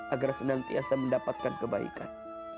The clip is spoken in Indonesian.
agar senang tiasa mendapatkan kebaikan